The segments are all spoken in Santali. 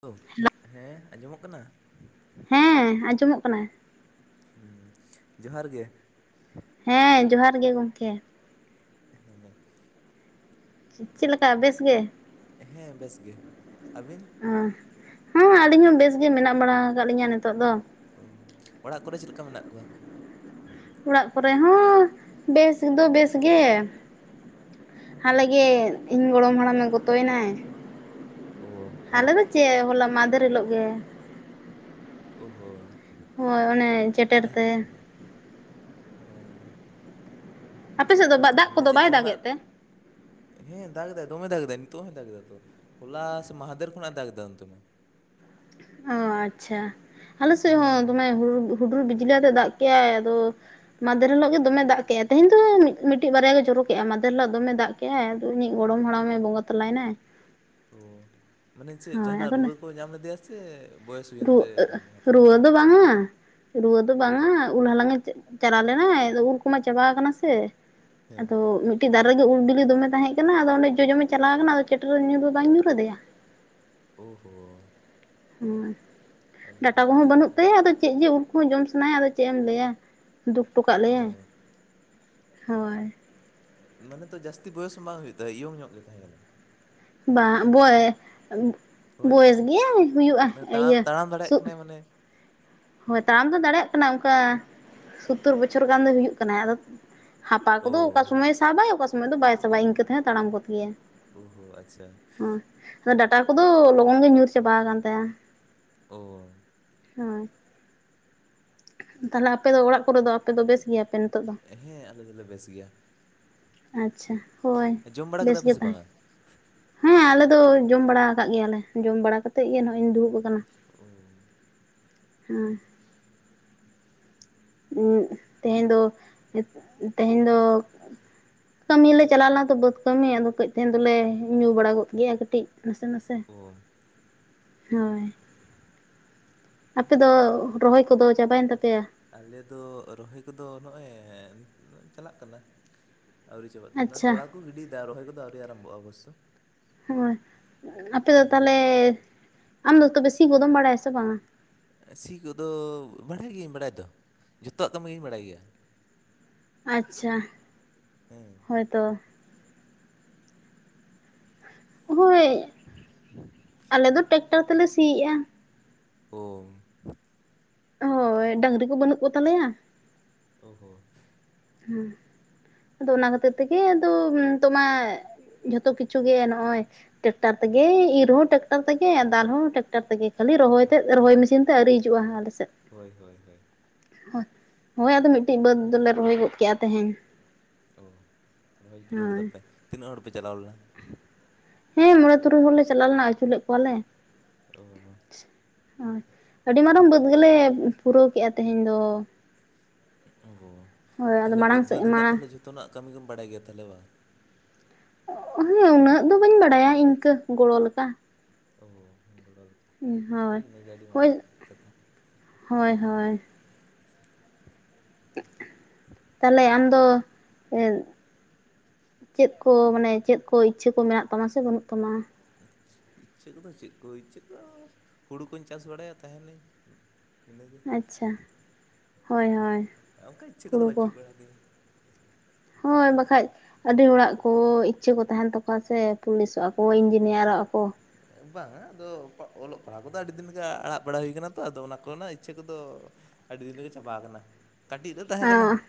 ᱦᱮᱞᱳ ᱦᱮᱸ ᱟᱸᱡᱚᱢᱚᱜ ᱠᱟᱱᱟ ᱦᱮᱸ ᱟᱸᱡᱚᱢᱚᱜ ᱠᱟᱱᱟ᱾ ᱦᱮᱸ ᱡᱚᱦᱟᱨ ᱜᱮ ᱦᱮᱸ ᱡᱚᱦᱟᱨ ᱜᱮ ᱜᱚᱢᱠᱮ ᱦᱮᱸ ᱪᱮᱫ ᱞᱮᱠᱟ ᱵᱮᱥ ᱜᱮ ᱦᱮᱸ ᱵᱮᱥ ᱜᱮ ᱟᱹᱵᱤᱱ ᱦᱮᱸ ᱟᱹᱞᱤᱧ ᱦᱚᱸ ᱵᱮᱥ ᱜᱮ ᱢᱮᱱᱟᱜ ᱵᱟᱲᱟ ᱟᱠᱟᱫ ᱞᱤᱧᱟᱹ ᱱᱤᱛᱚᱜ ᱫᱚ ᱚᱲᱟᱜ ᱠᱚᱨᱮ ᱪᱮᱫ ᱞᱮᱠᱟ ᱢᱮᱱᱟᱜ ᱠᱚᱣᱟ? ᱚᱲᱟᱜ ᱠᱚᱨᱮ ᱦᱚᱸ ᱵᱮᱥ ᱫᱚ ᱵᱮᱥ ᱜᱮ ᱦᱟᱞᱮᱜᱮ ᱤᱧ ᱜᱚᱲᱚᱢ ᱦᱟᱲᱟᱢᱮ ᱜᱚᱛᱚᱭᱮᱱᱟᱭ ᱳ ᱦᱟᱞᱮ ᱫᱚ ᱪᱮᱫ ᱦᱚᱞᱟ ᱢᱟᱦᱫᱮᱨ ᱦᱤᱞᱳᱜ ᱜᱮ ᱳ ᱦᱳ ᱦᱳᱭ ᱚᱱᱮ ᱪᱮᱴᱮᱨ ᱛᱮ ᱚᱸ ᱟᱯᱮᱥᱮᱫ ᱫᱚ ᱫᱟᱜ ᱢᱟᱱᱮ ᱠᱚᱫᱚ ᱪᱮᱫ ᱵᱟᱭ ᱫᱟᱜᱮᱫ ᱡᱟᱦᱟᱱᱟᱜ ᱛᱮ ᱦᱮᱸ ᱫᱟᱜᱽ ᱫᱟᱭ ᱫᱚᱢᱮᱭ ᱫᱟᱜᱽ ᱫᱟᱭ ᱱᱤᱛᱚᱜ ᱦᱚᱸᱭ ᱫᱟᱜᱽ ᱮᱫᱟᱛᱚ ᱦᱚᱞᱟ ᱥᱮ ᱢᱟᱦᱟᱫᱮᱨ ᱠᱷᱚᱱᱟᱜ ᱫᱟᱜᱽᱫᱟ ᱚᱱᱛᱮ ᱢᱟ ᱚ ᱟᱪᱪᱷᱟ ᱟᱞᱮ ᱥᱮᱫ ᱦᱚᱸ ᱦᱮᱸ ᱫᱚᱢᱮ ᱦᱩᱰᱩᱨ ᱵᱤᱡᱽᱞᱤ ᱟᱛᱮ ᱫᱟᱜ ᱠᱮᱜᱼᱟᱭ ᱟᱫᱚ ᱢᱟᱫᱷᱮᱨ ᱦᱤᱞᱳᱜ ᱜᱮ ᱫᱚᱢᱮ ᱫᱟᱜ ᱠᱮᱫᱼᱟ ᱛᱮᱦᱮᱧ ᱫᱚ ᱢᱤᱫᱴᱤᱡ ᱵᱟᱨᱭᱟ ᱜᱮ ᱡᱚᱨᱚ ᱠᱮᱜᱼᱟ ᱢᱟᱫᱮᱨ ᱦᱤᱞᱳᱜ ᱫᱚᱢᱮ ᱫᱟᱜ ᱠᱮᱫ ᱠᱟᱭ ᱟᱫᱚ ᱤᱧᱤᱡ ᱜᱚᱲᱚᱢ ᱦᱟᱲᱟᱢᱮ ᱵᱚᱸᱜᱟ ᱛᱟᱞᱟᱭᱱᱟᱭ ᱚ ᱢᱟᱱᱮ ᱪᱮᱫ ᱡᱟᱦᱟᱱᱟᱜ ᱨᱩᱣᱟᱹ ᱠᱚ ᱧᱟᱢ ᱞᱮᱫᱮᱭᱟ ᱥᱮ ᱵᱚᱭᱮᱥ ᱦᱩᱭᱮᱱ ᱨᱩᱟᱹ ᱛᱮ ᱵᱚᱸᱜᱟ ᱨᱩᱣᱟᱹ ᱛᱟᱞᱟᱭᱮᱱᱟᱭ ᱫᱚ ᱵᱟᱝᱟ ᱨᱩᱣᱟᱹ ᱫᱚ ᱚ ᱵᱟᱝᱟ ᱩᱞ ᱦᱟᱞᱟᱝ ᱮ ᱪᱟᱞᱟᱣ ᱞᱮᱱᱟᱭ ᱟᱫᱚ ᱩᱞ ᱠᱚᱢᱟ ᱪᱟᱵᱟ ᱠᱟᱱᱟ ᱥᱮ ᱦᱮᱸ ᱟᱫᱚ ᱫᱟᱨᱮ ᱨᱮᱜᱮ ᱩᱞ ᱵᱤᱞᱤ ᱫᱚᱢᱮ ᱛᱟᱦᱮᱸ ᱠᱟᱱᱟ ᱟᱫᱚ ᱚᱸᱰᱮ ᱡᱚᱡᱚᱢᱮ ᱪᱟᱞᱟᱣ ᱠᱟᱱᱟ ᱟᱫᱚ ᱪᱮᱴᱮᱨ ᱧᱩᱨᱩ ᱵᱟᱝ ᱧᱩᱨᱩ ᱟᱫᱮᱭᱟ ᱳᱦᱳᱻ ᱦᱮᱸ ᱰᱟᱴᱟ ᱫᱩᱠ ᱠᱚᱦᱚᱸ ᱨᱮᱱᱟᱜ ᱵᱟᱹᱱᱩᱜ ᱠᱟᱛᱷᱟ ᱛᱟᱭᱟ ᱟᱫᱚ ᱪᱮᱫ ᱡᱮ ᱩᱞ ᱠᱚᱦᱚᱸ ᱡᱚᱢ ᱥᱟᱱᱟᱭᱟ ᱟᱫᱚ ᱪᱮᱫ ᱮᱢ ᱞᱟᱹᱭᱟ ᱫᱩᱠ ᱴᱚ ᱠᱟᱜ ᱞᱮᱭᱟᱭ ᱚ ᱦᱳᱭ ᱢᱟᱱᱮ ᱛᱚ ᱡᱟᱹᱥᱛᱤ ᱵᱚᱭᱚᱥ ᱦᱚᱸ ᱵᱟᱝ ᱦᱩᱭᱩᱜ ᱛᱟᱭᱟ ᱤᱭᱳᱝ ᱧᱚᱜ ᱜᱮ ᱛᱟᱦᱮᱸ ᱠᱟᱱᱟᱭ ᱵᱟᱝ [unintelligible] ᱦᱳᱭ ᱵᱚᱭᱮᱥ ᱜᱮᱭᱟ ᱦᱩᱭᱩᱜᱼᱟ ᱢᱟᱱᱮ ᱛᱟᱲᱟᱢ ᱤᱭᱟᱹ ᱛᱟᱲᱟᱢ ᱥᱩ ᱫᱟᱲᱮᱭᱟᱜ ᱠᱟᱱᱟᱭ ᱢᱟᱱᱮ ᱦᱳᱭ ᱛᱟᱲᱟᱢ ᱫᱚ ᱫᱟᱲᱮᱭᱟᱜ ᱠᱟᱱᱟ ᱚᱱᱠᱟ ᱥᱳᱛᱛᱳᱨ ᱵᱚᱪᱷᱚᱨ ᱜᱟᱱ ᱫᱚᱭ ᱦᱩᱭᱩᱜ ᱠᱟᱱᱟᱭ ᱟᱫᱚ ᱦᱟᱯᱟ ᱳ ᱠᱚᱫᱚ ᱚᱠᱟ ᱥᱚᱢᱚᱭ ᱥᱟᱵᱟᱭ ᱚᱠᱟ ᱥᱚᱢᱚᱭ ᱫᱚ ᱵᱟᱭ ᱥᱟᱵᱟᱭ ᱤᱱᱠᱟᱹ ᱛᱮᱦᱚᱸ ᱛᱟᱲᱟᱢ ᱜᱚᱫ ᱜᱮᱭᱟᱭ ᱚᱦᱳ ᱟᱪᱪᱷᱟ ᱟᱫᱚ ᱰᱟᱴᱟ ᱠᱚᱫᱚ ᱞᱚᱜᱚᱱ ᱜᱮ ᱧᱩᱨ ᱪᱟᱵᱟ ᱟᱠᱟᱱ ᱛᱟᱭᱟ ᱚ ᱦᱳᱭ ᱛᱟᱦᱚᱞᱮ ᱟᱯᱮ ᱫᱚ ᱚᱲᱟᱜ ᱠᱚᱨᱮ ᱫᱚ ᱟᱯᱮ ᱫᱚ ᱵᱮᱥ ᱜᱮᱭᱟ ᱯᱮ ᱦᱮᱸ ᱟᱞᱮ ᱫᱚᱞᱮ ᱵᱮᱥ ᱜᱮᱭᱟ ᱟᱪᱪᱷᱟ ᱦᱳᱭ ᱡᱚᱢ ᱵᱟᱲᱟ ᱵᱮᱥ ᱠᱮᱫᱟ ᱯᱮ ᱜᱮ ᱥᱮ ᱛᱟᱦᱮᱸ ᱵᱟᱝᱟ ᱦᱮᱸ ᱟᱞᱮ ᱫᱚ ᱡᱚᱢ ᱵᱟᱲᱟ ᱠᱟᱫ ᱜᱮᱭᱟᱞᱮ ᱡᱚᱢ ᱵᱟᱲᱟ ᱠᱟᱛᱮᱜ ᱜᱮ ᱱᱚᱜᱼᱚᱭ ᱤᱧ ᱫᱩᱲᱩᱵ ᱠᱟᱱᱟ ᱳ ᱦᱮᱸ ᱛᱮᱦᱮᱧ ᱫᱚ ᱛᱮᱦᱮᱧ ᱫᱚ ᱠᱟᱹᱢᱤ ᱞᱮ ᱪᱟᱞᱟᱣ ᱞᱮᱱᱟ ᱛᱚ ᱵᱟᱹᱫᱽ ᱠᱟᱹᱢᱤ ᱟᱫᱚ ᱠᱟᱹᱡ ᱛᱮᱦᱮᱧ ᱫᱚᱞᱮ ᱧᱩ ᱵᱟᱲᱟ ᱜᱚᱫ ᱜᱮᱭᱟ ᱠᱟᱹᱴᱤᱡ ᱱᱟᱥᱮ ᱱᱟᱥᱮ ᱳ ᱦᱳᱭ ᱟᱯᱮ ᱫᱚ ᱨᱚᱦᱚᱭ ᱠᱚᱫᱚ ᱪᱟᱵᱟᱭᱮᱱ ᱛᱟᱯᱮᱭᱟ ᱟᱞᱮ ᱫᱚ ᱨᱚᱦᱚᱭ ᱠᱚᱫᱚ ᱱᱚᱜᱼᱚᱭ ᱪᱟᱞᱟᱜ ᱠᱟᱱᱟ ᱟᱹᱣᱨᱤ ᱪᱟᱵᱟᱜ ᱛᱟᱦᱮᱱᱟ ᱟᱪᱪᱷᱟ ᱛᱚᱲᱟ ᱠᱚ ᱜᱤᱰᱤᱭ ᱫᱟ ᱨᱚᱦᱚᱭ ᱠᱚᱫᱚ ᱟᱹᱣᱨᱤ ᱟᱨᱟᱢᱵᱚᱜᱼᱟ ᱚᱵᱚᱥᱥᱳ ᱦᱳᱭ ᱟᱯᱮ ᱫᱚ ᱦᱮᱸ ᱛᱟᱦᱚᱞᱮ ᱟᱢ ᱫᱚ ᱛᱚᱵᱮ ᱥᱤ ᱜᱚᱫᱚᱢ ᱵᱟᱲᱟᱭᱟ ᱥᱮ ᱵᱟᱝᱼᱟ ᱥᱤ ᱠᱚᱫᱚ ᱵᱟᱲᱟᱭ ᱜᱤᱭᱟᱹᱧ ᱵᱟᱲᱟᱭ ᱫᱚ ᱡᱷᱚᱛᱚᱣᱟᱜ ᱠᱟᱢᱤ ᱜᱤᱧ ᱵᱟᱲᱟᱭ ᱜᱮᱭᱟ ᱟᱪᱪᱷᱟ ᱚ ᱛᱟᱭ ᱦᱳᱭᱛᱚ ᱦᱳᱭ ᱟᱞᱮ ᱫᱚ ᱴᱮᱠᱴᱟᱨ ᱛᱮᱞᱮ ᱥᱤᱜᱼᱟ ᱦᱳᱭ ᱦᱳᱭ ᱰᱟᱹᱝᱨᱤ ᱠᱚ ᱵᱟᱹᱱᱩᱜ ᱠᱚᱛᱟᱞᱮᱭᱟ ᱳ ᱦᱚ ᱦᱮᱸ ᱟᱫᱚ ᱚᱱᱟ ᱠᱷᱟᱹᱛᱤᱨ ᱛᱮᱜᱮ ᱟᱫᱚ ᱛᱳ ᱢᱟ ᱡᱷᱚᱛᱚ ᱠᱤᱪᱷᱩ ᱜᱮ ᱱᱚᱜᱼᱚᱭ ᱴᱮᱠᱴᱟᱨ ᱛᱮᱜᱮ ᱤᱨᱦᱚᱸ ᱴᱮᱠᱴᱟᱨ ᱛᱮᱜᱮ ᱫᱟᱞ ᱦᱚᱸ ᱴᱮᱠᱴᱟᱨ ᱛᱮᱜᱮ ᱠᱷᱟᱹᱞᱤ ᱨᱚᱦᱚᱭ ᱛᱮᱫ ᱨᱚᱦᱚᱭ ᱢᱮᱥᱤᱱ ᱛᱮᱜ ᱟᱹᱣᱨᱤ ᱦᱤᱡᱩᱜᱼᱟ ᱟᱞᱮ ᱥᱮᱫ ᱦᱳᱭ ᱦᱳᱭ ᱦᱳᱭ ᱦᱳᱭ ᱟᱫᱚ ᱢᱤᱫ ᱴᱤᱡ ᱵᱟᱹᱫᱽ ᱫᱚᱞᱮ ᱨᱚᱦᱚᱭ ᱜᱚᱫ ᱠᱮᱜᱼᱟ ᱛᱮᱦᱮᱧ ᱚᱸ ᱨᱚᱦᱚᱭ ᱯᱩᱨᱟᱹᱣ ᱠᱮᱫᱟ ᱦᱳᱭ ᱯᱮ ᱛᱤᱱᱟᱹᱜ ᱦᱚᱲ ᱯᱮ ᱪᱟᱞᱟᱣ ᱞᱮᱱᱟ ᱦᱮᱸ ᱢᱚᱬᱮ ᱛᱩᱨᱩᱭ ᱦᱚᱲ ᱞᱮ ᱪᱟᱞᱟᱣ ᱞᱮᱱᱟ ᱟᱹᱪᱩ ᱞᱮᱫ ᱠᱚᱣᱟ ᱞᱮ ᱚᱸ ᱦᱳᱭ ᱟᱹᱰᱤ ᱢᱟᱨᱟᱝ ᱵᱟᱹᱫᱽ ᱜᱮᱞᱮ ᱯᱩᱨᱟᱹᱣ ᱠᱮᱜᱼᱟ ᱛᱮᱦᱮᱧ ᱫᱚ ᱚᱸ ᱦᱳᱭ ᱟᱫᱚ ᱛᱟᱦᱚᱞᱮ ᱢᱟᱲᱟᱝ ᱥᱮᱫ ᱵᱟᱹᱫᱽ ᱨᱮᱱᱟᱜ ᱢᱟᱲᱟᱝ ᱛᱟᱦᱚᱞᱮ ᱡᱷᱚᱛᱚ ᱱᱟᱜ ᱠᱟᱹᱢᱤ ᱜᱮᱢ ᱵᱟᱲᱟᱭ ᱜᱮᱭᱟ ᱛᱟᱦᱚᱞᱮ ᱵᱟᱝ ᱦᱮᱸ ᱩᱱᱟᱹᱜ ᱫᱚ ᱵᱟᱹᱧ ᱵᱟᱰᱟᱭᱟ ᱤᱱᱠᱟᱹ ᱜᱚᱲᱚ ᱞᱮᱠᱟ ᱚᱸ ᱜᱚᱲᱚ ᱞᱮᱠᱟ ᱦᱳᱭ ᱤᱱᱟᱹ ᱜᱮ ᱟᱹᱰᱤ ᱦᱳᱭ ᱢᱟᱨᱟᱝ ᱠᱟᱛᱷᱟ ᱦᱳᱭ ᱦᱳᱭ ᱛᱟᱦᱚᱞᱮ ᱟᱢᱫᱚ ᱪᱮᱫ ᱠᱚ ᱢᱟᱱᱮ ᱪᱮᱫ ᱠᱚ ᱤᱪᱪᱷᱟᱹ ᱠᱚ ᱢᱮᱱᱟᱜ ᱛᱟᱢᱟ ᱥᱮ ᱵᱟᱹᱱᱩᱜ ᱛᱟᱢᱟ [unintelligible] ᱤᱪᱪᱷᱟᱹ ᱠᱚᱫᱚ ᱪᱮᱫ ᱠᱚ ᱤᱪᱪᱷᱟᱹ ᱠᱚ ᱦᱩᱲᱩ ᱠᱚᱧ ᱪᱟᱥ ᱵᱟᱲᱟᱭᱟ ᱛᱟᱦᱮᱸᱱᱟᱹᱧ ᱤᱱᱟᱹ ᱜᱮ ᱟᱪᱪᱷᱟ, ᱦᱳᱭ ᱦᱳᱭ ᱚᱱᱠᱟ ᱤᱪᱪᱷᱟᱹ ᱠᱚᱫᱚ ᱦᱩᱲᱩ ᱠᱚ ᱵᱟᱹᱱᱩᱜ ᱵᱟᱲᱟ ᱛᱤᱧᱟ ᱦᱳᱭ ᱵᱟᱠᱷᱟᱡ ᱟᱹᱰᱤ ᱦᱚᱲᱟᱜ ᱠᱚ ᱤᱪᱪᱷᱟᱹ ᱠᱚ ᱛᱟᱦᱮᱱ ᱛᱟᱠᱚᱣᱟ ᱥᱮ ᱯᱩᱞᱤᱥᱚᱜᱼᱟ ᱠᱚ ᱤᱧᱡᱤᱱᱤᱭᱟᱨᱚᱜᱼᱟ ᱠᱚ ᱵᱟᱝᱼᱟ ᱟᱫᱚ ᱚᱞᱚᱜ ᱯᱟᱲᱦᱟᱜ ᱠᱚᱫᱚ ᱟᱹᱰᱤ ᱫᱤᱱ ᱞᱮᱠᱟ ᱟᱲᱟᱜ ᱵᱟᱲᱟ ᱦᱩᱭ ᱠᱟᱱᱟ ᱛᱚ ᱟᱫᱚ ᱚᱱᱟ ᱠᱚᱨᱮᱱᱟᱜ ᱤᱪᱪᱷᱟᱹ ᱠᱚᱫᱚ ᱟᱹᱰᱤ ᱫᱤᱱ ᱨᱮᱜᱮ ᱪᱟᱵᱟ ᱠᱟᱱᱟ ᱠᱟᱹᱴᱤᱡ ᱨᱮ ᱛᱟᱦᱮᱸ ᱠᱟᱱᱟ ᱟᱸ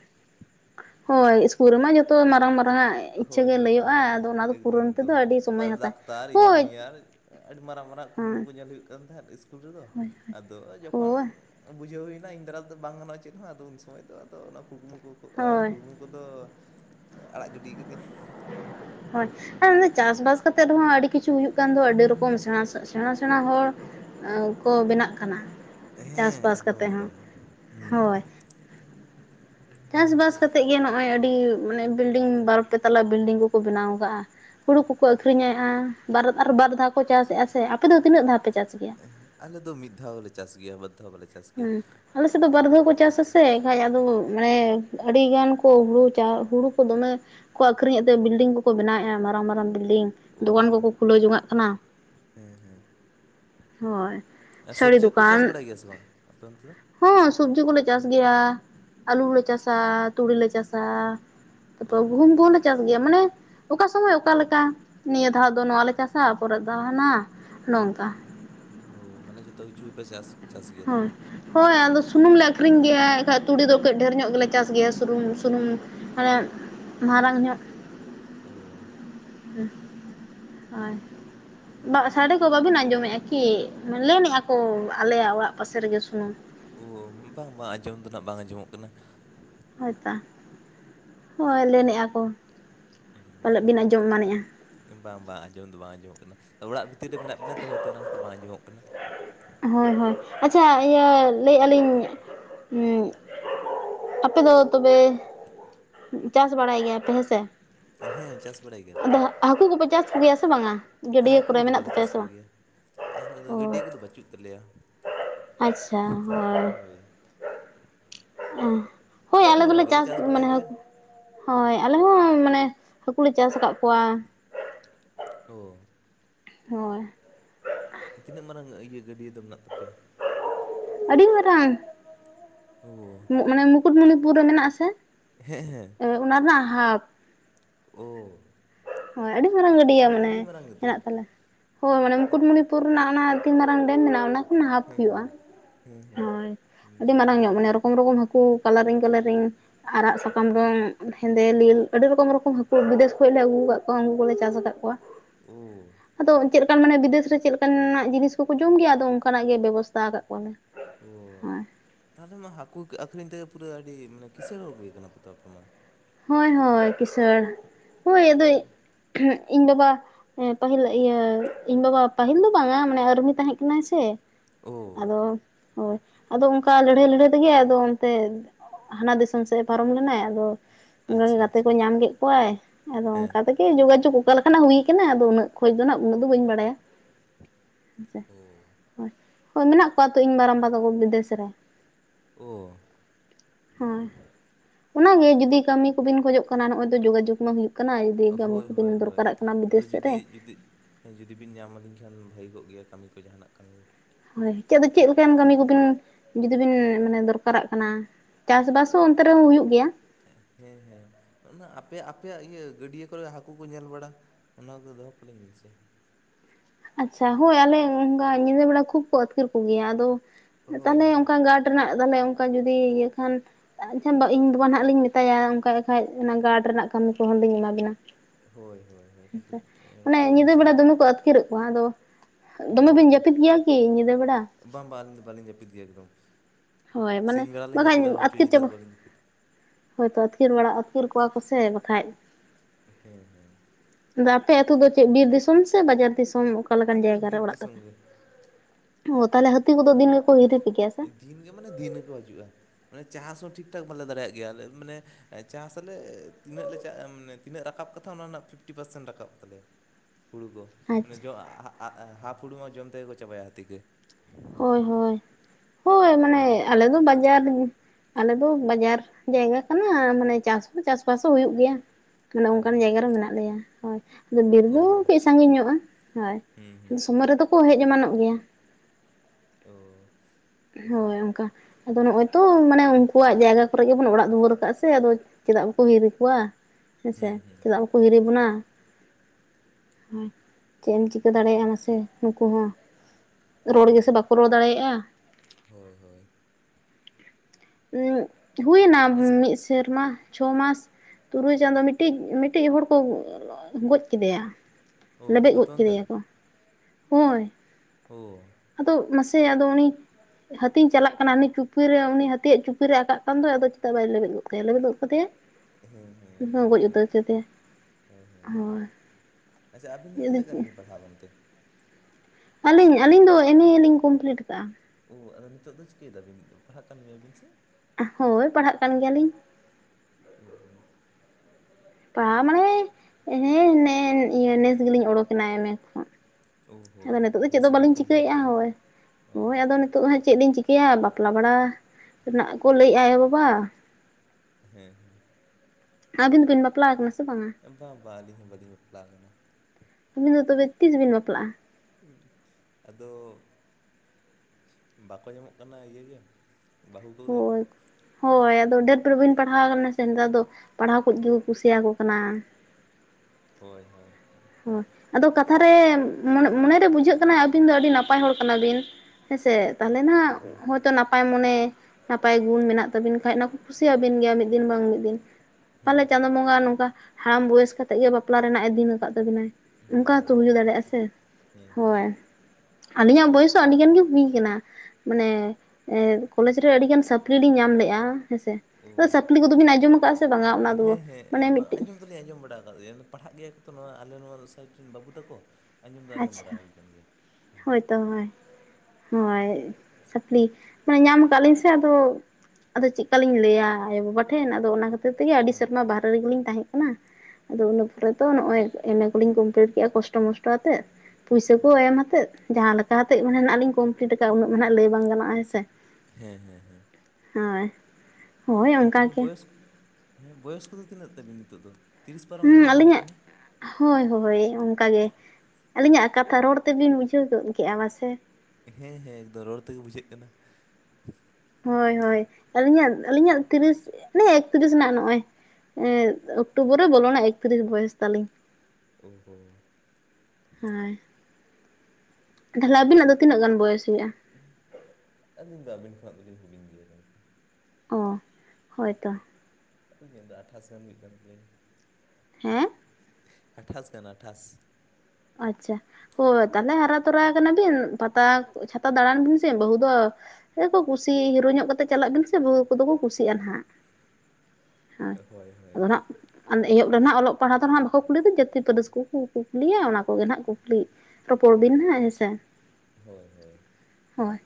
ᱦᱳᱭ ᱤᱥᱠᱩᱞ ᱨᱮᱢᱟ ᱡᱚᱛᱚ ᱢᱟᱨᱟᱝ ᱢᱟᱨᱟᱝ ᱟᱜ ᱤᱪᱪᱷᱟᱹ ᱦᱳᱭ ᱜᱮ ᱦᱳᱭ ᱢᱮᱱᱮ ᱞᱟᱹᱭᱚᱜᱼᱟ ᱟᱫᱚ ᱚᱱᱟ ᱫᱚ ᱮᱠᱫᱚᱢ ᱯᱩᱨᱚᱱ ᱛᱮᱫᱚ ᱮᱠᱫᱚᱢ ᱟᱹᱰᱤ ᱥᱚᱢᱚᱭ ᱚᱠᱟᱨᱮ ᱦᱟᱛᱟᱣ ᱰᱟᱠᱛᱟᱨ ᱦᱳᱭ ᱤᱧᱡᱤᱱᱤᱭᱟᱨ ᱟᱹᱰᱤ ᱢᱟᱨᱟᱝ ᱢᱟᱨᱟᱝ ᱠᱩᱠᱢᱩ ᱦᱳᱭ ᱠᱚ ᱧᱮᱞ ᱦᱩᱭᱩᱜ ᱠᱟᱱ ᱛᱟᱦᱮᱸᱫ ᱤᱥᱠᱩᱞ ᱨᱮᱫᱚ ᱦᱳᱭ ᱟᱫᱚ ᱡᱚᱠᱷᱚᱱ ᱦᱳᱭ ᱵᱩᱡᱷᱟᱹᱣ ᱦᱩᱭᱱᱟ ᱤᱧ ᱫᱟᱨᱟ ᱫᱚ ᱵᱟᱝ ᱜᱟᱱᱚᱜᱼᱟ ᱪᱮᱫ ᱦᱚᱸ ᱟᱫᱚ ᱩᱱ ᱥᱚᱢᱚᱭ ᱫᱚ ᱟᱫᱚ ᱚᱱᱟ ᱠᱩᱠᱢᱩ ᱠᱚ ᱦᱳᱭ ᱠᱩᱠᱢᱩ ᱠᱚᱫᱚ ᱟᱲᱟᱜ ᱜᱤᱰᱤ ᱠᱟᱹᱫᱤᱧ [unintelligible] ᱟᱨ ᱪᱟᱥᱼᱵᱟᱥ ᱠᱟᱛᱮᱜ ᱨᱮᱦᱚᱸ ᱟᱹᱰᱤ ᱠᱤᱪᱷᱩ ᱦᱩᱭᱩᱜ ᱠᱟᱱ ᱫᱚ ᱟᱹᱰᱤ ᱨᱚᱠᱚᱢ ᱥᱮᱬᱟ ᱥᱮᱬᱟ ᱦᱚᱲ ᱠᱚ ᱵᱮᱱᱟᱜ ᱠᱟᱱᱟ ᱦᱮᱸ ᱪᱟᱥᱵᱟᱥ ᱮᱠᱫᱚᱢ ᱠᱟᱛᱮᱜ ᱦᱚᱸ ᱮᱠᱫᱚᱢ ᱦᱩᱸ ᱦᱳᱭ ᱪᱟᱥᱵᱟᱥ ᱠᱟᱛᱮᱜ ᱜᱮ ᱱᱚᱜ-ᱚᱭ ᱟᱹᱰᱤ ᱢᱟᱱᱮ ᱵᱤᱞᱰᱤᱝ ᱵᱟᱨᱯᱮ ᱛᱟᱞᱟ ᱵᱤᱞᱰᱤᱝ ᱠᱚᱠᱚ ᱵᱮᱱᱟᱣ ᱟᱠᱟᱫᱟᱼᱟ ᱦᱩᱲᱩ ᱠᱩᱠᱚ ᱟᱹᱠᱷᱨᱤᱧᱮᱼᱟ ᱵᱟᱨ ᱵᱟᱨ ᱫᱷᱟᱣ ᱠᱚ ᱪᱟᱥᱮᱫᱼᱟ ᱥᱮ ᱟᱯᱮ ᱫᱚ ᱛᱤᱱᱟᱹᱜ ᱫᱷᱟᱣ ᱯᱮ ᱪᱟᱥ ᱜᱮᱭᱟ ᱦᱮᱸ ᱟᱞᱮ ᱫᱚ ᱢᱤᱫ ᱫᱷᱟᱣᱞᱮ ᱪᱟᱥ ᱜᱮᱭᱟ ᱵᱟᱨ ᱫᱷᱟᱣ ᱵᱟᱞᱮ ᱪᱟᱥ ᱜᱮᱭᱟ ᱦᱩᱸ ᱟᱞᱮ ᱟᱞᱮ ᱥᱮᱫ ᱫᱚ ᱵᱟᱨᱫᱷᱟᱣ ᱠᱚ ᱪᱟᱥᱟ ᱥᱮ ᱮᱱᱠᱷᱷᱟᱡ ᱟᱫᱚ ᱢᱟᱱᱮ ᱟᱹᱰᱤᱜᱟᱱ ᱠᱚ ᱦᱩᱲᱩ ᱪᱟ. ᱦᱩᱲᱩ ᱠᱚ ᱫᱚᱢᱮ ᱠᱚ ᱟᱠᱷᱨᱤᱧᱮᱫ ᱛᱮ ᱵᱤᱞᱰᱤᱝ ᱠᱚᱠᱚ ᱵᱮᱱᱟᱣᱮᱫᱼᱟ ᱢᱟᱨᱟᱝ ᱢᱟᱨᱟᱝ ᱵᱤᱞᱰᱤᱧ ᱳ ᱫᱚᱠᱟᱱ ᱠᱚᱠᱚ ᱠᱷᱩᱞᱟᱹᱣ ᱡᱚᱝᱟᱜ ᱠᱟᱱᱟ᱾ ᱦᱮᱸ ᱦᱮᱸ ᱦᱳᱭ ᱟᱨ ᱥᱟᱹᱲᱤ ᱥᱚᱵᱽᱡᱤ ᱠᱚ ᱫᱚᱠᱟᱱ ᱪᱟᱥ ᱵᱟᱲᱟᱭ ᱜᱮᱭᱟ ᱥᱮ ᱵᱟᱝ ᱟᱯᱮ ᱚᱱᱛᱮ ᱫᱚ ᱦᱚᱸ ᱥᱚᱵᱽᱡᱤ ᱠᱚᱞᱮ ᱪᱟᱥ ᱜᱮᱭᱟ ᱟᱹᱞᱩ ᱦᱚᱸᱞᱮ ᱪᱟᱥᱟ ᱛᱩᱲᱤᱞᱮ ᱪᱟᱥᱟ ᱳ ᱛᱟᱯᱨᱮ ᱜᱩᱦᱩᱢ ᱠᱚᱦᱚᱸ ᱞᱮ ᱪᱟᱥ ᱜᱮᱭᱟ ᱢᱟᱱᱮ ᱚᱠᱟ ᱥᱚᱢᱚᱭ ᱚᱠᱟ ᱞᱮᱠᱟ ᱱᱤᱭᱟᱹ ᱫᱷᱟᱣ ᱫᱚ ᱱᱚᱣᱟᱞᱮ ᱪᱟᱥᱟ ᱯᱚᱨᱮ ᱫᱟᱣ ᱦᱟᱱᱟ ᱱᱚᱝᱠᱟ ᱚ ᱢᱟᱱᱮ ᱡᱚᱛᱚ ᱠᱤᱡᱷᱩ ᱜᱮ ᱯᱮ ᱪᱟᱥ ᱜᱮᱭᱟ ᱦᱳᱭ ᱛᱟᱦᱚᱞᱮ ᱦᱳᱭ ᱟᱫᱚ ᱥᱩᱱᱩᱢ ᱞᱮ ᱟᱹᱠᱷᱨᱤᱧ ᱜᱮᱭᱟ ᱮᱱᱠᱷᱟᱡ ᱛᱩᱲᱤ ᱫᱚ ᱠᱟᱹᱡ ᱰᱷᱮᱨ ᱧᱚᱜ ᱜᱮᱞᱮ ᱪᱟᱥ ᱜᱮᱭᱟ ᱥᱩᱱᱩᱢ ᱥᱩᱱᱩᱢ ᱢᱟᱱᱮ ᱢᱟᱨᱟᱝ ᱧᱚᱜ ᱳ ᱦᱮᱸ ᱦᱳᱭ ᱵᱟ ᱥᱟᱰᱮ ᱠᱚ ᱵᱟᱹᱵᱤᱱ ᱟᱸᱡᱚᱢᱮᱼᱟ ᱠᱤ ᱢᱟᱱᱮ ᱞᱮᱱᱮᱜᱼᱟ ᱠᱚ ᱟᱞᱮᱭᱟᱜ ᱚᱲᱟᱜ ᱯᱟᱥᱮ ᱨᱮᱜᱮ ᱥᱩᱱᱩᱢ ᱳ ᱵᱟᱝ ᱵᱟᱝ ᱟᱸᱡᱚᱢ ᱫᱚ ᱱᱟᱜ ᱵᱟᱝ ᱟᱸᱡᱚᱢᱚᱜ ᱠᱟᱱᱟ ᱦᱳᱭᱛᱚ ᱦᱳᱭ ᱞᱮᱲᱮᱜ-ᱟ ᱠᱚ ᱯᱟᱞᱮᱫ ᱵᱤᱱ ᱟᱸᱡᱚᱢ ᱮᱢᱟᱱᱮᱜᱼᱟ ᱦᱩᱸ ᱵᱟᱝ ᱵᱟᱝ ᱟᱸᱡᱚᱢ ᱫᱚ ᱵᱟᱝ ᱟᱸᱡᱚᱢᱚᱜ ᱠᱟᱱᱟ ᱚᱲᱟᱜ ᱵᱷᱤᱛᱤᱨ ᱨᱮ ᱢᱮᱱᱟᱜ ᱵᱤᱱᱟ ᱛᱚ ᱦᱭᱛᱳ ᱚᱱᱟ ᱠᱷᱟᱹᱛᱤᱨ ᱵᱟᱝ ᱟᱸᱡᱚᱢᱚᱜ ᱠᱟᱱᱟ᱾ ᱦᱳᱭ ᱦᱳᱭ ᱟᱪᱪᱷᱟ ᱤᱭᱟᱹ ᱞᱟᱹᱭ ᱮᱜᱼᱟ ᱞᱤᱧ ᱟᱯᱮ ᱫᱚ ᱛᱚᱵᱮ ᱪᱟᱥ ᱵᱟᱲᱟᱭ ᱜᱮᱭᱟ ᱯᱮ ᱦᱮᱸᱥᱮ ᱦᱮᱸ ᱪᱟᱥ ᱵᱟᱲᱟᱭ ᱜᱮᱭᱟ ᱞᱮ ᱛᱚ ᱟᱫᱚ ᱦᱟᱹᱠᱩ ᱠᱚᱯᱮ ᱪᱟᱥ ᱠᱚ ᱜᱮᱭᱟ ᱥᱮ ᱵᱟᱝᱟ ᱜᱟᱹᱰᱭᱟᱹ ᱦᱟᱹᱠᱩ ᱠᱚᱨᱮ ᱠᱚᱫᱚ ᱢᱮᱱᱟᱜ ᱵᱟᱞᱮ ᱛᱟᱯᱮᱭᱟ ᱪᱟᱥ ᱥᱮ ᱵᱟᱝ? ᱠᱚᱜᱮᱭᱟ ᱟᱨ ᱚ ᱜᱟᱹᱰᱭᱟᱹ ᱠᱚᱫᱚ ᱵᱟᱹᱪᱩᱜ ᱛᱟᱞᱮᱭᱟ ᱟᱪᱪᱷᱟ ᱦᱳᱭ ᱦᱳᱭ ᱟᱫᱚ ᱟᱞᱮ ᱦᱩᱲᱩ ᱫᱚᱞᱮ ᱠᱚᱜᱮᱞᱮ ᱪᱟᱥ ᱵᱟᱲᱟᱭ ᱢᱟᱱᱮ ᱜᱮᱭᱟ᱾ ᱦᱟᱹᱠᱩ ᱦᱳᱭ ᱟᱞᱮ ᱦᱚᱸ ᱢᱟᱱᱮ ᱦᱟᱹᱠᱩᱞᱮ ᱪᱟᱥ ᱟᱠᱟᱫ ᱠᱚᱣᱟ ᱚ ᱦᱳᱭ ᱛᱤᱱᱟᱹᱜ ᱢᱟᱨᱟᱝ ᱤᱭᱟᱹ ᱜᱟᱹᱰᱭᱟᱹ ᱫᱚ ᱢᱮᱱᱟᱜ ᱛᱟᱯᱮᱭᱟ ᱟᱹᱰᱤ ᱢᱟᱨᱟᱝ ᱳ ᱢᱟᱱᱮ ᱢᱩᱠᱩᱴᱢᱩᱱᱤᱯᱩᱨ ᱨᱮ ᱢᱮᱱᱟᱜ-ᱟ ᱥᱮ ᱦᱮᱸ ᱦᱮᱸ ᱚᱱᱟ ᱨᱮᱱᱟᱜ ᱦᱟᱯ ᱳ ᱦᱳᱭ ᱟᱹᱰᱤ ᱢᱟᱨᱟᱝ ᱜᱟᱹᱰᱭᱟᱹ ᱚᱱᱟ ᱢᱟᱱᱮ ᱟᱹᱰᱤ ᱢᱟᱨᱟᱝ ᱜᱮᱛᱚ ᱦᱮᱱᱟᱜ ᱛᱟᱞᱮ ᱦᱳᱭ ᱢᱟᱱᱮ ᱢᱩᱠᱩᱴᱢᱩᱱᱤᱯᱩᱨ ᱚᱱᱟ ᱛᱤᱱ ᱢᱟᱨᱟᱝ ᱰᱮᱢᱜᱟ ᱚᱱᱟ ᱦᱟᱯ ᱦᱮᱸ ᱦᱩᱭᱩᱜᱼᱟ ᱦᱮᱸ ᱦᱮᱸ ᱦᱮᱸ ᱦᱳᱭ ᱟᱹᱰᱤ ᱵᱩᱡᱷᱟᱹᱣ ᱢᱟᱨᱟᱝ ᱫᱟᱞᱤᱧ ᱧᱚᱜ ᱢᱟᱱᱮ ᱨᱚᱠᱚᱢ ᱨᱚᱠᱚᱢ ᱦᱟᱹᱠᱩ ᱠᱟᱞᱟᱨᱤᱧ ᱠᱟᱞᱟᱨᱤᱧ ᱟᱨᱟᱜ ᱥᱟᱠᱟᱢ ᱫᱚ ᱦᱮᱸᱫᱮ ᱞᱤᱞ ᱟᱹᱰᱤ ᱨᱚᱠᱚᱢ ᱨᱚᱠᱚᱢ ᱦᱟᱹᱠᱩ ᱵᱤᱫᱮᱥ ᱠᱷᱚᱡ ᱞᱮ ᱟᱹᱜᱩ ᱠᱟᱜ ᱩᱱᱠᱩ ᱠᱚᱞᱮ ᱪᱟᱥ ᱠᱟᱜ ᱠᱚᱣᱟ [unintelligible] ᱟᱫᱚ ᱪᱮᱫ ᱞᱮᱠᱟᱱ ᱢᱟᱱᱮ ᱵᱤᱫᱮᱥ ᱨᱮ ᱪᱮᱫ ᱞᱮᱠᱟᱱᱟᱜ ᱡᱤᱱᱤᱥ ᱠᱚᱠᱚ ᱡᱚᱢ ᱜᱮᱭᱟ ᱟᱫᱚ ᱚᱱᱠᱟᱱᱟᱜ ᱜᱮ ᱵᱮᱵᱚᱥᱛᱟᱷ ᱠᱟᱜ ᱠᱚᱣᱟ ᱞᱮ ᱚ ᱛᱟᱦᱚᱞᱮ ᱢᱟ ᱦᱟᱹᱠᱩ ᱟᱹᱠᱷᱨᱤᱧ ᱛᱮᱜᱮ ᱯᱩᱨᱟᱹ ᱟᱹᱰᱤ ᱠᱤᱥᱟᱹᱬ ᱦᱚᱲ ᱦᱩᱭ ᱠᱟᱱᱟ ᱯᱮᱛᱚ ᱟᱯᱮ ᱢᱟ ᱦᱳᱭ ᱦᱳᱭ ᱠᱤᱥᱟᱹᱬ ᱦᱳᱭ ᱟᱫᱚ ᱤᱧ ᱵᱟᱵᱟ ᱦᱮᱸ ᱯᱟᱹᱦᱤᱞ ᱤᱭᱟᱹ ᱤᱧ ᱵᱟᱵᱟ ᱯᱟᱹᱦᱤᱞ ᱫᱚ ᱵᱟᱝ-ᱟ ᱢᱟᱱᱮ ᱟᱹᱨᱢᱤ ᱛᱟᱦᱮᱸ ᱠᱟᱱᱟᱭ ᱥᱮ ᱚ ᱟᱫᱚ ᱦᱳᱭ ᱟᱫᱚ ᱚᱱᱠᱟ ᱞᱟᱹᱲᱦᱟᱹᱭ ᱞᱟᱹᱲᱦᱟᱹᱭ ᱛᱮᱜᱮ ᱟᱫᱚ ᱚᱱᱛᱮ ᱦᱟᱱᱟ ᱫᱤᱥᱚᱢ ᱥᱮᱫᱮ ᱯᱟᱨᱚᱢ ᱞᱮᱱᱟᱭ ᱟᱫᱚ ᱚᱱᱠᱟᱜᱮ ᱟᱪᱪᱷᱟ ᱜᱟᱛᱮ ᱠᱚ ᱟᱪᱪᱷᱟ ᱧᱟᱢ ᱠᱮᱫ ᱠᱚᱣᱟᱭ ᱟᱫᱚ ᱚᱱᱠᱟ ᱦᱮᱸ ᱜᱮ ᱡᱚᱜᱟᱡᱚᱜ ᱚᱠᱟ ᱞᱮᱠᱟᱱᱟᱜ ᱦᱩᱭ ᱠᱟᱱᱟ ᱟᱫᱚ ᱩᱱᱟᱹᱜ ᱠᱷᱚᱡ ᱫᱚ ᱦᱟᱱᱟᱜ ᱩᱱᱟᱹᱜ ᱫᱚ ᱵᱟᱹᱧ ᱵᱟᱰᱟᱭᱟ᱾ ᱦᱮᱸᱥᱮ ᱚ ᱦᱳᱭ ᱦᱳᱭ ᱢᱮᱱᱟᱜ ᱠᱚᱣᱟ ᱛᱚ ᱤᱧ ᱢᱟᱨᱟᱝ ᱵᱟ ᱛᱟᱠᱚ ᱵᱤᱫᱮᱥ ᱨᱮ ᱳ ᱦᱳᱭ ᱚᱱᱟᱜᱮ ᱡᱩᱫᱤ ᱠᱟᱹᱢᱤ ᱠᱚᱵᱤᱱ ᱠᱷᱚᱡᱚᱜ ᱠᱟᱱᱟ ᱱᱚᱜᱼᱚᱭ ᱫᱚ ᱡᱳᱜᱟᱡᱳᱜ ᱢᱟ ᱦᱩᱭ ᱦᱳᱭ ᱦᱳᱭ ᱦᱳᱭ ᱟᱫᱚ ᱥᱮᱫ ᱨᱮ ᱡᱩᱫᱤ ᱡᱩᱫᱤ ᱦᱮᱸ ᱡᱩᱫᱤ ᱵᱤᱱ ᱧᱟᱢ ᱟᱹᱞᱤᱧ ᱠᱷᱟᱱ ᱵᱷᱟᱹᱜᱤ ᱠᱚᱜ ᱜᱮᱭᱟ ᱠᱟᱹᱢᱤ ᱠᱚ ᱡᱟᱦᱟᱸᱱᱟᱜ ᱠᱟᱹᱢᱤ ᱦᱳᱭ ᱪᱮᱫ ᱫᱚ ᱪᱮᱫ ᱞᱮᱠᱟᱱ ᱠᱟᱹᱢᱤ ᱠᱚᱵᱤᱱ ᱡᱩᱫᱤ ᱵᱤᱱ ᱢᱟᱱᱮ ᱫᱚᱨᱠᱟᱨᱟᱜ ᱠᱟᱱᱟ ᱪᱟᱥᱵᱟᱥ ᱦᱚᱸ ᱚᱱᱛᱮ ᱨᱮᱦᱚᱸ ᱦᱩᱭᱩᱜ ᱜᱮᱭᱟ ᱦᱮᱸ ᱦᱮᱸ ᱚᱱᱟ ᱟᱯᱮ ᱟᱯᱮᱭᱟᱜ ᱟᱯᱮᱭᱟᱜ ᱤᱭᱟᱹ ᱜᱟᱹᱰᱭᱟᱹ ᱠᱚᱨᱮ ᱦᱟᱹᱠᱩ ᱠᱚ ᱧᱮᱞ ᱵᱟᱲᱟ ᱚᱱᱟᱜᱮ ᱫᱚᱦᱚ ᱠᱟᱹᱞᱤᱧ ᱵᱮᱱ ᱥᱮ ᱟᱪᱪᱷᱟ ᱦᱳᱭ ᱟᱞᱮ ᱚᱱᱠᱟ ᱧᱤᱫᱟᱹ ᱵᱮᱲᱟ ᱠᱷᱩᱵ ᱠᱚ ᱟᱹᱛᱠᱤᱨ ᱠᱚ ᱜᱮᱭᱟ, ᱟᱫᱚ ᱦᱳᱭ ᱛᱟᱦᱚᱞᱮ ᱦᱳᱭ ᱚᱱᱠᱟ ᱜᱟᱲ ᱨᱮᱱᱟᱜ ᱛᱟᱦᱚᱞᱮ ᱚᱱᱠᱟ ᱡᱩᱫᱤ ᱤᱭᱟᱹ ᱠᱷᱟᱱ ᱮᱱᱠᱷᱟᱱ ᱫᱚ ᱤᱧ ᱵᱟᱵᱟ ᱦᱟᱸᱜ ᱞᱤᱧ ᱢᱮᱛᱟᱭᱟ ᱚᱱᱠᱟᱜ ᱠᱷᱟᱡ ᱚᱱᱟ ᱜᱟᱰ ᱨᱮᱱᱟᱜ ᱠᱟᱹᱢᱤ ᱠᱚᱦᱚᱸ ᱞᱤᱧ ᱮᱢᱟ ᱵᱤᱱᱟ ᱦᱳᱭ ᱦᱳᱭ ᱦᱳᱭ ᱠᱟᱹᱴᱤᱡ ᱢᱟᱱᱮ ᱨᱚᱯᱚᱲ ᱵᱤᱱ ᱧᱤᱫᱟᱹ ᱥᱮ ᱵᱮᱲᱟ ᱫᱚᱢᱮ ᱠᱚ ᱟᱛ ᱼᱼᱠᱤᱨᱮᱫ ᱠᱚᱣᱟ ᱾ ᱟᱫᱚ ᱫᱚᱢᱮ ᱦᱳᱭ ᱵᱤᱱ ᱡᱟᱹᱯᱤᱫ ᱜᱮᱭᱟ ᱠᱤ ᱧᱤᱫᱟᱹ ᱵᱮᱲᱟ? ᱵᱟᱝ ᱵᱟᱝ ᱟᱞᱤᱧ ᱫᱚ ᱵᱟᱞᱤᱧ ᱡᱟᱹᱯᱤᱫ ᱜᱮᱭᱟ ᱮᱠᱫᱚᱢ ᱦᱳᱭ ᱢᱟᱱᱮ ᱥᱤᱧ ᱵᱮᱲᱟ ᱞᱤᱧ ᱵᱟᱠᱷᱟᱡ ᱡᱟᱹᱯᱤᱫᱟ ᱵᱟᱝ ᱪᱚ ᱟᱹᱛᱠᱤᱨ ᱧᱤᱫᱟᱹ ᱪᱟᱵᱟ ᱫᱚ ᱵᱟᱹᱞᱤᱧ ᱡᱟᱹᱯᱤᱫᱟ ᱦᱳᱭ ᱛᱚ ᱟᱹᱛᱠᱤᱨ ᱵᱟᱲᱟ ᱟᱹᱛᱠᱤᱨ ᱠᱚᱣᱟ ᱠᱚᱥᱮ ᱵᱟᱠᱷᱟᱡ ᱦᱮᱸ ᱦᱮᱸ ᱟᱯᱮ ᱟᱹᱛᱩ ᱫᱚ ᱪᱮᱫ ᱵᱤᱨ ᱫᱤᱥᱚᱢ ᱥᱮ ᱵᱟᱡᱟᱨ ᱫᱤᱥᱚᱢ ᱚᱠᱟᱞᱮᱠᱟᱱ ᱟᱞᱮ ᱫᱚ ᱡᱟᱭᱜᱟ ᱨᱮ ᱵᱤᱨ ᱚᱲᱟᱜ ᱫᱤᱥᱚᱢ ᱛᱟᱯᱮ? ᱜᱮ ᱚ ᱛᱟᱦᱚᱞᱮ ᱦᱟᱹᱛᱤ ᱠᱚᱫᱚ ᱫᱤᱱ ᱜᱮ ᱠᱚ ᱦᱤᱨᱤ ᱯᱮ ᱜᱮᱭᱟ ᱥᱮ ᱫᱤᱱ ᱜᱮ ᱢᱟᱱᱮ ᱫᱤᱱ ᱜᱮᱠᱚ ᱦᱤᱡᱩᱜᱼᱟ ᱢᱟᱱᱮ ᱪᱟᱥ ᱦᱚᱸ ᱴᱷᱤᱠᱼᱴᱷᱟᱠ ᱵᱟᱞᱮ ᱫᱟᱲᱮᱭᱟᱜ ᱜᱮᱭᱟ ᱟᱞᱮ ᱢᱟᱱᱮ ᱪᱟᱥ ᱟᱞᱮ ᱛᱤᱱᱟᱹᱜ ᱞᱮ ᱪᱟ ᱢᱟᱱᱮ ᱛᱤᱱᱟᱹᱜ ᱨᱟᱠᱟᱵ ᱠᱟᱛᱷᱟ ᱚᱱᱟ ᱨᱮᱱᱟᱜ ᱯᱷᱤᱯᱴᱤ ᱯᱟᱨᱥᱮᱱ ᱨᱟᱠᱟᱵ ᱛᱟᱞᱮᱭᱟ ᱦᱩᱲᱩ ᱠᱚ ᱢᱟᱱᱮ ᱟᱪᱪᱷᱟ ᱡᱚ ᱦᱟᱯ ᱦᱩᱲᱩ ᱢᱟ ᱡᱚᱢ ᱛᱮᱜᱮᱠᱚ ᱪᱟᱵᱟᱭᱟ ᱦᱟᱹᱛᱤ ᱜᱮ ᱦᱳᱭ ᱦᱳᱭ ᱦᱳᱭ ᱢᱟᱱᱮ ᱟᱞᱮ ᱫᱚ ᱵᱟᱡᱟᱨ ᱟᱞᱮ ᱫᱚ ᱵᱟᱡᱟᱨ ᱡᱟᱭᱜᱟ ᱠᱟᱱᱟ ᱢᱟᱱᱮ ᱪᱟᱥ ᱫᱚ ᱪᱟᱥᱵᱟᱥ ᱦᱚᱸ ᱦᱩᱭᱩᱜ ᱜᱮᱭᱟ ᱚᱱᱮ ᱚ ᱚᱱᱠᱟᱱ ᱡᱟᱭᱜᱟ ᱨᱮ ᱢᱮᱱᱟᱜ ᱞᱮᱭᱟ ᱦᱳᱭ ᱟᱫᱚ ᱵᱤᱨ ᱚ ᱵᱩᱨᱩ ᱫᱚ ᱠᱟᱹᱡ ᱥᱟᱺᱜᱤᱧᱚᱜᱼᱟ ᱦᱳᱭ ᱦᱩᱸ ᱦᱩᱸ ᱥᱚᱢᱚᱭ ᱨᱮᱫᱚ ᱠᱚ ᱦᱮᱡ ᱮᱢᱟᱱᱚᱜ ᱜᱮᱭᱟ ᱳ ᱳ ᱦᱳᱭ ᱚᱱᱠᱟ ᱟᱫᱚ ᱱᱚᱜᱼᱚᱭ ᱛᱚ ᱢᱟᱱᱮ ᱩᱱᱠᱩᱣᱟᱜ ᱡᱟᱭᱜᱟ ᱠᱚᱨᱮ ᱜᱮᱵᱚᱱ ᱚᱲᱟᱜ ᱫᱩᱣᱟᱹᱨ ᱠᱟᱜᱼᱟ ᱥᱮ ᱟᱫᱚ ᱪᱮᱫᱟᱜ ᱵᱟᱠᱚ ᱦᱤᱨᱤ ᱠᱚᱣᱟ ᱦᱮᱸ ᱥᱮ ᱦᱩᱸ ᱦᱩᱸ ᱪᱮᱫᱟᱜ ᱵᱟᱠᱚ ᱦᱤᱨᱤ ᱵᱚᱱᱟ ᱦᱳᱭ ᱪᱮᱫ ᱮᱢ ᱪᱤᱠᱟᱹ ᱫᱟᱲᱮᱭᱟᱜᱼᱟ ᱢᱟᱥᱮ ᱱᱩᱠᱩ ᱦᱚᱸ ᱨᱚᱲ ᱜᱮᱥᱮ ᱦᱩᱸ ᱵᱟᱠᱚ ᱨᱚᱲ ᱫᱟᱲᱮᱭᱟᱜᱼᱟ ᱦᱳᱭ ᱦᱳᱭ [unintelligible] ᱦᱩᱭᱱᱟ ᱟᱪᱪᱷᱟ ᱢᱤᱫ ᱥᱮᱨᱢᱟ ᱪᱷᱚ ᱢᱟᱥ ᱛᱩᱨᱩᱭ ᱪᱟᱸᱫᱚ ᱢᱤᱫᱴᱤᱡ ᱢᱤᱫᱴᱤᱡ ᱦᱚᱲ ᱠᱚ ᱜᱚᱡ ᱠᱮᱫᱮᱭᱟ ᱚ ᱞᱮᱵᱮᱫ ᱜᱚᱡ ᱟᱯᱮ ᱚᱱᱛᱮ ᱨᱮ ᱠᱮᱫᱮᱭᱟᱠᱚ ᱦᱳᱭ ᱦᱳ ᱟᱫᱚ ᱢᱟᱥᱮ ᱟᱫᱚ ᱩᱱᱤ ᱦᱟᱹᱛᱤᱭ ᱪᱟᱞᱟᱜ ᱠᱟᱱᱟ ᱩᱱᱤ ᱪᱩᱯᱤ ᱨᱮ ᱩᱱᱤ ᱦᱟᱹᱛᱤᱭᱟᱜ ᱪᱩᱯᱤ ᱨᱮ ᱟᱠᱟᱜ ᱠᱟᱱ ᱫᱚᱭ ᱟᱫᱚ ᱪᱮᱫᱟᱜ ᱵᱟᱭ ᱞᱮᱵᱮᱫ ᱜᱚᱫ ᱠᱟᱭᱟᱭ ᱞᱮᱵᱮᱫ ᱜᱚᱫ ᱠᱟᱫᱮᱭᱟᱭ ᱦᱮᱸ ᱦᱮᱸ ᱮᱠᱫᱚᱢ ᱮᱠᱫᱚᱢ ᱦᱮᱸ ᱦᱮᱸ ᱦᱳᱭ ᱟᱪᱪᱷᱟ ᱟᱵᱤᱱ ᱫᱚ ᱛᱤᱱᱟᱹᱜ ᱜᱟᱱ ᱯᱟᱲᱦᱟᱣ ᱠᱟᱱᱛᱮ? ᱟᱞᱤᱧ ᱟᱞᱤᱧ ᱫᱚ ᱮᱢ ᱮ ᱞᱤᱧ ᱠᱚᱢᱯᱞᱤᱴ ᱟᱠᱟᱜᱼᱟ ᱳ ᱟᱫᱚ ᱱᱤᱛᱚᱜ ᱫᱚ ᱪᱤᱠᱟᱹᱭ ᱫᱟᱵᱤᱱ ᱯᱟᱲᱦᱟᱜ ᱠᱟᱱ ᱜᱮᱭᱟ ᱵᱤᱱ ᱥᱮ? ᱦᱳᱭ ᱯᱟᱲᱦᱟᱜ ᱠᱟᱱ ᱜᱮᱭᱟᱞᱤᱧ [unintelligible] ᱯᱟᱲᱦᱟᱣ ᱢᱟᱱᱮ ᱦᱮᱸ ᱱᱮ ᱤᱭᱟᱹ ᱱᱮᱥ ᱜᱮᱞᱤᱧ ᱚᱰᱳᱠᱮᱱᱟ ᱮᱢ ᱮ ᱳ ᱦᱳ ᱠᱷᱚᱱ ᱟᱫᱚ ᱱᱤᱛᱳᱜ ᱫᱚ ᱪᱮᱫ ᱱᱮᱥ ᱦᱚ ᱜᱮᱵᱤᱱ ᱵᱟᱹᱞᱤᱧ ᱠᱚᱢᱯᱞᱤᱴ ᱪᱤᱠᱟᱹᱭᱮᱜᱼᱟ ᱠᱮᱫᱟ? ᱦᱳᱭ ᱾ ᱚ ᱦᱳᱭ ᱟᱫᱚ ᱱᱤᱛᱚᱜ ᱦᱟᱸᱜ ᱪᱮᱫ ᱞᱤᱧ ᱪᱤᱠᱟᱹᱭᱟ ᱵᱟᱯᱞᱟ ᱵᱟᱲᱟ ᱨᱮᱱᱟᱜ ᱠᱚ ᱞᱟᱹᱭᱮᱜ-ᱟ ᱟᱭᱳᱼᱵᱟᱵᱟ ᱦᱮᱸ ᱦᱮᱸ ᱟᱹᱵᱤᱱ ᱫᱚ ᱵᱤᱱ ᱵᱟᱯᱞᱟ ᱟᱠᱟᱱᱟ ᱥᱮ ᱵᱟᱝᱟ? ᱵᱟᱝ ᱵᱟᱝ ᱟᱹᱞᱤᱧ ᱦᱚᱸ ᱵᱟᱹᱞᱤᱧ ᱵᱟᱯᱞᱟ ᱟᱠᱟᱱᱟ ᱟᱹᱵᱤᱱ ᱫᱚ ᱛᱚᱵᱮ ᱛᱤᱥ ᱵᱤᱱ ᱵᱟᱯᱞᱟᱜᱼᱟ? ᱟᱫᱚ ᱵᱟᱠᱚ ᱧᱟᱢᱚᱜ ᱠᱟᱱᱟ ᱤᱭᱟᱹ ᱜᱮ ᱵᱟᱦᱩ ᱠᱚᱜᱮ ᱦᱳᱭ ᱦᱳᱭ ᱟᱫᱚ ᱰᱷᱮᱨ [unintelligible] ᱵᱟᱹᱧ ᱯᱟᱲᱦᱟᱣ ᱟᱠᱟᱱᱟ ᱥᱮ ᱱᱮᱛᱟᱨ ᱫᱚ ᱯᱟᱲᱦᱟᱣ ᱠᱩᱡ ᱜᱮᱠᱚ ᱠᱩᱥᱤᱭᱟᱠᱚ ᱠᱟᱱᱟ ᱾ ᱦᱳᱭ ᱦᱳᱭ ᱦᱳᱭ ᱾ ᱦᱳᱭ ᱟᱫᱚ ᱠᱟᱛᱷᱟ ᱨᱮ ᱢᱚᱱ ᱢᱚᱱᱮᱨᱮ ᱵᱩᱡᱷᱟᱹᱜ ᱠᱟᱱᱟ ᱟᱹᱵᱤᱱ ᱫᱚ ᱟᱹᱰᱤ ᱱᱟᱯᱟᱭ ᱦᱚᱲ ᱠᱟᱱᱟ ᱵᱤᱱ ᱾ ᱦᱮᱸᱥᱮ ᱛᱟᱦᱚᱞᱮ ᱱᱟᱜ ᱦᱚᱭᱛᱳ ᱱᱟᱯ ᱱᱟᱯᱟᱭ ᱢᱚᱱᱮ ᱱᱟᱯᱟᱭ ᱜᱩᱱ ᱢᱮᱱᱟᱜ ᱛᱟᱵᱤᱱ ᱠᱷᱟᱡ ᱱᱟᱠᱚ ᱠᱩᱥᱤᱭᱟᱵᱤᱱ ᱜᱮᱭᱟ ᱢᱤᱫ ᱫᱤᱱ ᱵᱟᱝ ᱢᱤᱫ ᱫᱤᱱ ᱾ ᱦᱩᱸ ᱯᱟᱞᱮ ᱪᱟᱸᱫᱳ ᱦᱩᱸ ᱵᱚᱸᱜᱟ ᱱᱚᱝᱠᱟ ᱦᱟᱲᱟᱢ ᱵᱚᱭᱮᱥ ᱠᱟᱛᱮᱜ ᱜᱮ ᱵᱟᱯᱞᱟ ᱨᱮᱱᱟᱜ ᱮ ᱫᱤᱱ ᱟᱠᱟᱫ ᱛᱟᱵᱤᱱᱟᱭ ᱾ ᱚᱱᱠᱟ ᱦᱳᱭ ᱦᱚᱸᱛᱚ ᱚᱱᱟ ᱦᱚᱸ ᱦᱩᱭ ᱫᱟᱲᱮᱭᱟᱜᱼᱟ, ᱥᱮ ᱦᱮᱸ ᱦᱮᱸ ᱦᱳᱭ ᱾ ᱟᱹᱞᱤᱧᱟᱜ ᱵᱚᱭᱮᱥ ᱦᱚᱸ ᱟᱹᱰᱤ ᱜᱟᱱ ᱜᱮ ᱦᱩᱭ ᱠᱟᱱᱟ ᱾ ᱢᱟᱱᱮ ᱮᱸᱫ ᱠᱚᱞᱮᱡᱽ ᱨᱮ ᱟᱹᱰᱤ ᱜᱟᱱ ᱥᱟᱯᱞᱤ ᱞᱤᱧ ᱧᱟᱢ ᱞᱮᱜᱼᱟ ᱦᱮᱸᱥᱮ ᱳ ᱾ ᱥᱟᱹᱯᱞᱤ ᱠᱚᱫᱚ ᱵᱤᱱ ᱟᱸᱡᱚᱢ ᱠᱟᱫᱼᱟ ᱥᱮ ᱵᱟᱝᱟ? ᱚᱱᱟ ᱫᱚ ᱢᱟᱱᱮ ᱢᱤᱫᱴᱤᱡ [unintelligible] ᱫᱚ ᱞᱤᱧ ᱟᱸᱡᱚᱢ ᱵᱟᱲᱟᱣᱟᱠᱟᱫ ᱜᱮᱭᱟ ᱯᱟᱲᱦᱟᱜ ᱜᱮᱭᱟ ᱠᱚᱛᱚ ᱱᱚᱣᱟ ᱟᱞᱮ ᱱᱚᱣᱟ ᱥᱳᱥᱟᱭᱤᱰ ᱨᱮᱱ ᱵᱟᱹᱵᱩ ᱛᱟᱠᱚ ᱾ ᱟᱸᱡᱚᱢ ᱫᱚ ᱟᱸᱡᱚᱢ ᱵᱟᱲᱟ ᱦᱩᱭ ᱠᱟᱱ ᱜᱮᱭᱟ ᱦᱳᱭ ᱾ ᱛᱳ ᱦᱳᱭ ᱦᱳᱭ ᱥᱟᱹᱯᱞᱤ ᱢᱟᱱᱮ ᱧᱟᱢ ᱠᱟᱜ-ᱟ ᱞᱤᱧ ᱥᱮ ᱟᱫᱚ ᱟᱫᱚ ᱪᱮᱫᱠᱟ ᱞᱤᱧ ᱞᱟᱹᱭᱟ ᱟᱭᱳ ᱵᱟᱵᱟ ᱴᱷᱮᱱ ᱟᱫᱚ ᱚᱱᱟ ᱠᱷᱟᱹᱛᱤᱨ ᱛᱮᱜᱮ ᱟᱹᱰᱤ ᱦᱮᱸ ᱥᱮᱨᱢᱟ ᱵᱟᱦᱨᱮ ᱨᱮᱜᱮ ᱞᱤᱧ ᱛᱟᱦᱮᱸ ᱠᱟᱱᱟ ᱟᱫᱚ ᱤᱱᱟᱹ ᱯᱚᱨᱮ ᱛᱚ ᱱᱚᱜᱼᱚᱭ ᱮᱢ ᱮ ᱠᱚᱞᱤᱧ ᱠᱚᱢᱯᱞᱤᱴ ᱠᱮᱫ-ᱟ ᱠᱚᱥᱴᱚ ᱢᱚᱥᱴᱚ ᱟᱛᱮᱫ ᱾ ᱯᱩᱭᱥᱟᱹ ᱳ ᱠᱚ ᱮᱢ ᱦᱟᱛᱮᱫ ᱡᱟᱦᱟᱸ ᱞᱮᱠᱟ ᱟᱛᱮᱫ ᱢᱟᱱᱮ ᱱᱟᱜ ᱞᱤᱧ ᱠᱚᱢᱯᱞᱤᱴ ᱠᱟᱜᱼᱟ, ᱩᱱᱟᱹᱜ ᱢᱟ ᱱᱟᱷᱜ ᱞᱟᱹᱭ ᱵᱟᱝ ᱜᱟᱱᱚᱜᱼᱟ ᱦᱮᱸ ᱥᱮ ᱾ ᱦᱮᱸ ᱦᱮᱸ ᱦᱮᱸ ᱾ ᱦᱳᱭ ᱾ ᱦᱮᱸ ᱛᱟᱦᱚᱞᱮ ᱵᱚᱭᱚᱥ ᱦᱮᱸ ᱵᱚᱭᱚᱥ ᱠᱚᱫᱚ ᱛᱤᱱᱟᱹᱜ ᱛᱟᱵᱤᱱ ᱱᱤᱛᱚᱜ ᱫᱚ? ᱛᱤᱨᱤᱥ ᱯᱟᱨᱚᱢ ᱦᱩᱸ ᱠᱟᱱᱟ ᱢᱚᱱᱮ ᱦᱩᱭᱩᱜ ᱟᱹᱞᱤᱧᱟᱜ ᱠᱟᱱᱟ ᱾ ᱦᱳᱭ ᱦᱳᱭ ᱚᱱᱠᱟ ᱜᱮ ᱟᱹᱞᱤᱧᱟᱜ ᱠᱟᱛᱷᱟ ᱨᱚᱲ ᱛᱮᱵᱤᱱ ᱵᱩᱡᱷᱟᱹᱣ ᱜᱚᱫ ᱠᱮᱫᱼᱟ ᱵᱟᱥᱮ? ᱦᱮᱸ ᱦᱮᱸ ᱮᱠᱫᱚ ᱨᱚᱲ ᱛᱮᱜᱮ ᱵᱩᱡᱷᱟᱹᱜ ᱠᱟᱱᱟ ᱾ ᱦᱳᱭ ᱦᱳᱭ ᱟᱹᱞᱤᱧᱟᱜ ᱟᱹᱞᱤᱧᱟᱜ ᱛᱤᱨᱤᱥ [unintelligible] ᱮᱠᱛᱤᱨᱤᱥ ᱱᱟᱜ ᱱᱚᱜᱼᱚᱭ ᱾ ᱮᱸᱫ ᱚᱠᱴᱳᱵᱚᱨ ᱨᱮ ᱵᱚᱞᱚᱱᱟ ᱮᱠᱛᱤᱨᱤᱥ ᱵᱚᱭᱮᱥ ᱛᱟᱞᱤᱧ ᱾ ᱚ ᱦᱳ ᱾ ᱦᱳᱭ ᱾ ᱛᱟᱦᱞᱮ ᱟᱵᱤᱱᱟᱜ ᱫᱚ ᱛᱤᱱᱟᱹᱜ ᱜᱟᱱ ᱵᱚᱭᱮᱥ ᱦᱩᱭᱩᱜᱼᱟ? ᱟᱹᱞᱤᱧ ᱫᱚ ᱟᱹᱵᱤᱱ ᱠᱷᱚᱱᱟᱜ ᱫᱚᱞᱤᱧ ᱦᱩᱰᱤᱧ ᱜᱮᱭᱟ ᱠᱤᱱᱛᱩ ᱾ ᱚ ᱦᱳᱭ ᱛᱚ ᱾ ᱟᱹᱞᱤᱧᱟᱜ ᱫᱚ ᱟᱴᱷᱟᱥ ᱜᱟᱱ ᱦᱩᱭᱩᱜ ᱠᱟᱱ ᱛᱟᱞᱤᱧᱟ ᱾ ᱦᱮᱸ? ᱟᱴᱷᱟᱥ ᱜᱟᱱ ᱟᱴᱷᱟᱥ ᱾ ᱟᱪᱪᱷᱟ ᱾ ᱦᱳᱭ ᱛᱟᱦᱚᱞᱮ ᱦᱟᱨᱟ ᱛᱚᱨᱟ ᱠᱟᱱᱟ ᱵᱤᱱ ᱯᱟᱛᱟ ᱪᱷᱟᱛᱟ ᱫᱟᱬᱟᱱ ᱵᱤᱱ ᱥᱮ ᱵᱟᱹᱦᱩ ᱫᱚᱼᱼ ᱠᱚ ᱠᱩᱥᱤ ᱦᱤᱨᱳ ᱧᱚᱜ ᱠᱟᱛᱮᱫ ᱪᱟᱞᱟᱜ ᱵᱤᱱ ᱥᱮ ᱵᱟᱹᱦᱩ ᱠᱚᱫᱚ ᱠᱚ ᱠᱩᱥᱤᱜᱼᱟ ᱱᱟᱦᱟᱜ ᱾ [inaudible] [unintelligible] ᱦᱳᱭ ᱦᱳᱭ ᱟᱫᱚ ᱤᱭᱚᱵ ᱨᱮᱱᱟᱜ ᱚᱞᱚᱜ ᱯᱟᱲᱦᱟᱜ ᱫᱚ ᱱᱟᱦᱟᱜ ᱵᱟᱠᱚ ᱠᱩᱞᱤᱭᱮᱫᱟ ᱡᱟᱹᱛᱤ ᱯᱟᱹᱨᱤᱥ ᱠᱚᱠᱚ ᱠᱩ ᱠᱩᱞᱤᱭᱟ ᱚᱱᱟ ᱠᱚ ᱠᱚᱜᱮ ᱱᱟᱦᱟᱜ ᱠᱩᱠᱞᱤ ᱨᱚᱯᱚᱲ ᱵᱤᱱ ᱱᱟᱦᱟᱜ ᱦᱮᱸ ᱥᱮ ᱾ ᱦᱳᱭ ᱦᱳᱭ ᱾ ᱦᱳᱭ ᱾